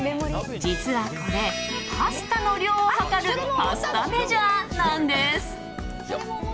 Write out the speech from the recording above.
実はこれ、パスタの量を量るパスタメジャーなんです。